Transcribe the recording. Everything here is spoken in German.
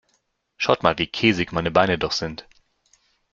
Schaut mal, wie käsig meine Beine noch sind.